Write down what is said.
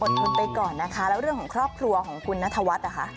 ทนไปก่อนนะคะแล้วเรื่องของครอบครัวของคุณนัทวัฒน์นะคะ